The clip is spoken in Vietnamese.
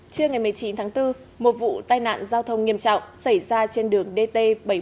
trưa ngày một mươi chín tháng bốn một vụ tai nạn giao thông nghiêm trọng xảy ra trên đường dt bảy trăm bốn mươi